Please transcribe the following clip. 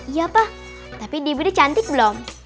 iya pak tapi debbie dia cantik belum